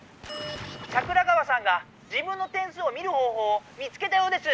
桜川さんが自分の点数を見るほうほうを見つけたようです。